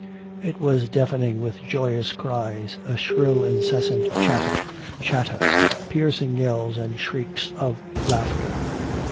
It was deafening with joyous cries, a shrill incessant chatter, chatter, piercing yells and shrieks of laughter.